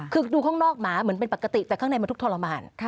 คือดูข้างนอกหมาเหมือนเป็นปกติแต่ข้างในมันทุกขรมาน